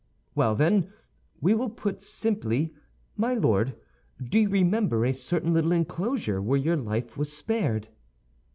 "Well, then, we will put simply, _My Lord, do you remember a certain little enclosure where your life was spared?